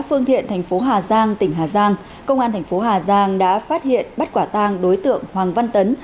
phương thiện thành phố hà giang tỉnh hà giang công an thành phố hà giang đã phát hiện bắt quả tang đối tượng hoàng văn tấn